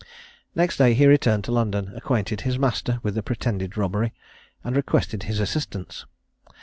Next day he returned to London, acquainted his master with the pretended robbery, and requested his assistance.